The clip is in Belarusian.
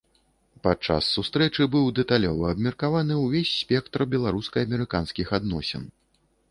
Падчас сустрэчы быў дэталёва абмеркаваны ўвесь спектр беларуска-амерыканскіх адносін.